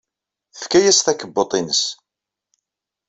Tefka-as-d takebbuḍt-nnes.